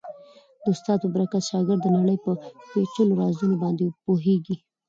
د استاد په برکت شاګرد د نړۍ په پېچلو رازونو باندې پوهېږي.